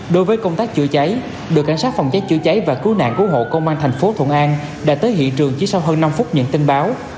đối với công tác chữa cháy đội cảnh sát phòng cháy chữa cháy và cứu nạn cứu hộ công an thành phố thuận an đã tới hiện trường chỉ sau hơn năm phút nhận tin báo